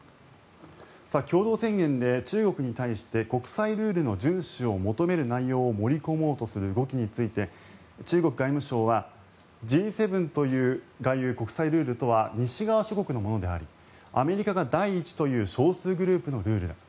共同宣言で中国に対して国際ルールの順守を求める内容を盛り込もうとする動きについて中国外務省はＧ７が言う国際ルールとは西側諸国のものでありアメリカが第一という少数グループのルールだ